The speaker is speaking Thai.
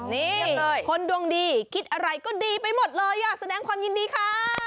นี่คนดวงดีคิดอะไรก็ดีไปหมดเลยอ่ะแสดงความยินดีค่ะ